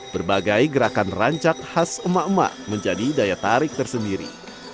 berbagai gerakan rancak khas emak emak menjadi daya tarik tersendiri